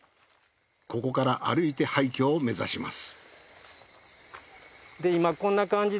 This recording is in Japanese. ここから歩いて廃墟を目指します。